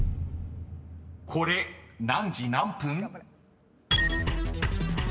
［これ何時何分？］